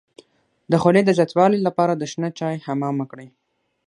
د خولې د زیاتوالي لپاره د شنه چای حمام وکړئ